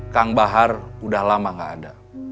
kang bahar udah lama gak ada